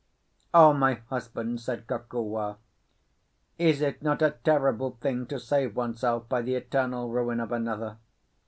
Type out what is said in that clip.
"O my husband!" said Kokua. "Is it not a terrible thing to save oneself by the eternal ruin of another?